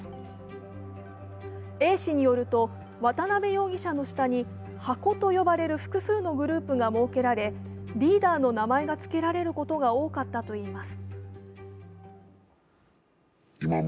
Ａ氏によると渡辺容疑者の下に箱と呼ばれる複数のグループが設けられリーダーの名前がつけられることが多かったといいます。